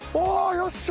よっしゃ！